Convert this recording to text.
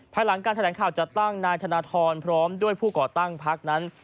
หลังการแถลงข่าวจัดตั้งนายธนทรพร้อมด้วยผู้ก่อตั้งพักนั้น